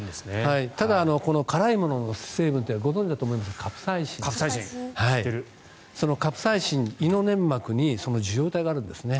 ただ、辛いものの成分というのはご存じだと思いますがカプサイシン、胃の粘膜に受容体があるんですね。